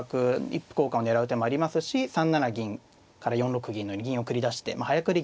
一歩交換を狙う手もありますし３七銀から４六銀のように銀を繰り出して早繰り